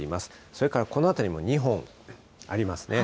それからこの辺りも２本ありますね。